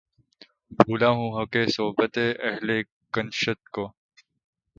بھولا ہوں حقِ صحبتِ اہلِ کنشت کو